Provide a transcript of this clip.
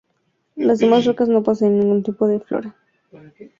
Las demás rocas no poseen ningún tipo de flora.